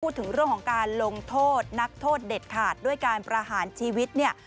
ถึงเรื่องของการลงโทษนักโทษเด็ดขาดด้วยการประหารชีวิตเนี่ย